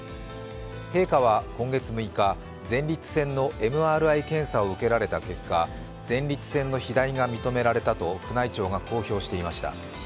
陛下は今月６日、前立腺のＭＲＩ検査を受けられた結果、前立腺の肥大が認められたと宮内庁が公表していました。